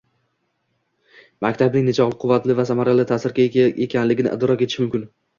maktabning nechog‘li quvvatli va samarali ta’sirga ega ekanligini idrok etish mumkin.